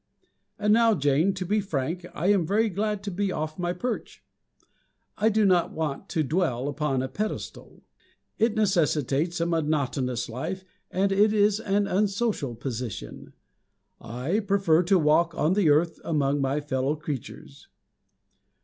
And now, Jane, to be frank, I am very glad to be off my perch. I do not want to dwell upon a pedestal. It necessitates a monotonous life, and it is an unsocial position. I prefer to walk on the earth, among my fellow creatures.